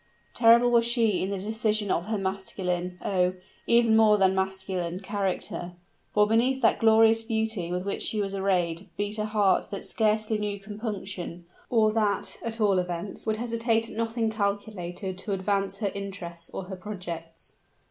Terrible was she in the decision of her masculine oh! even more than masculine character, for beneath that glorious beauty with which she was arrayed beat a heart that scarcely knew compunction, or that, at all events, would hesitate at nothing calculated to advance her interests or her projects.